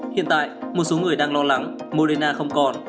hiện tại một số người đang lo lắng morena không còn